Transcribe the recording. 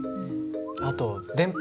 あと電波。